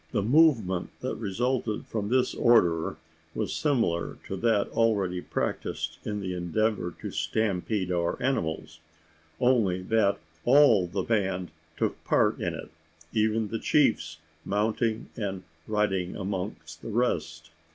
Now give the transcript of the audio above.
The movement that resulted from this order was similar to that already practised in the endeavour to stampede our animals: only that all the band took part in it even the chiefs mounting and riding among the rest.